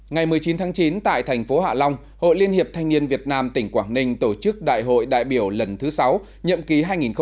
ngày một mươi chín tháng chín tại thành phố hạ long hội liên hiệp thanh niên việt nam tỉnh quảng ninh tổ chức đại hội đại biểu lần thứ sáu nhậm ký hai nghìn hai mươi hai nghìn hai mươi bốn